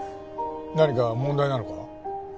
何か問題なのか？